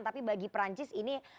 tapi bagi perancis ini